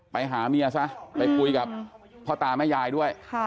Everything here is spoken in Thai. ไปหาเมียซะไปคุยกับพ่อตาแม่ยายด้วย